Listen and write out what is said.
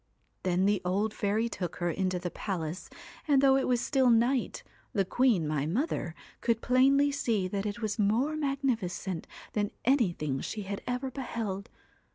' Then the old fairy took her into the palace, and though it was still night, the queen, my mother, could plainly see that it was more magnificent than anything she had ever beheld.